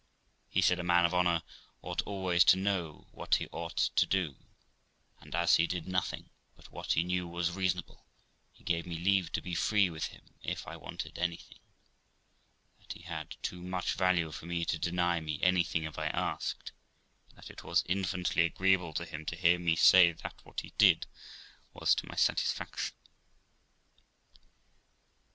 He said a man of honour ought always to know what he ought to do; and, as he did nothing but what he knew was reasonable, he gave me leave to be free with him if I wanted anything; that he had too much value for me to deny me anything if I asked, but that it was infinitely agreeable to him to hear me say that what he did was to my satisfaction.